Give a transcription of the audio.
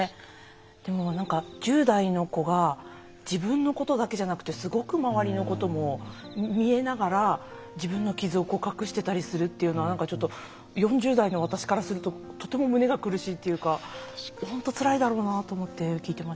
でも１０代の子が自分のことだけじゃなくてすごく周りのことも見えながら自分の傷を告白してたりするっていうのは４０代の私からするととても胸が苦しいっていうか本当つらいだろうなと思って聞いてましたね。